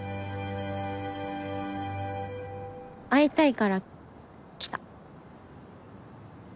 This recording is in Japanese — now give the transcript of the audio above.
会いたいから来た。